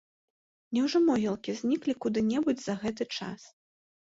Няўжо могілкі зніклі куды-небудзь за гэты час?